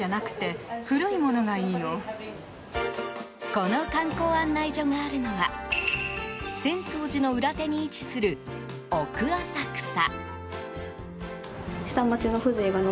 この観光案内所があるのは浅草寺の裏手に位置する奥浅草。